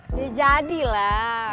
udah jadi lah